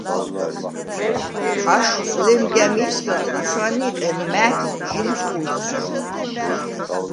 აშხვ ლემგა̈მი̄სგა ჩვანი̄ყე მა̈გ ჟი ლუკუ̄ლთხა̈ნ.